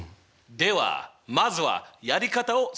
ではまずはやり方を説明しよう！